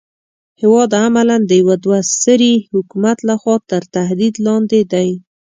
هېواد عملاً د يوه دوه سري حکومت لخوا تر تهدید لاندې دی.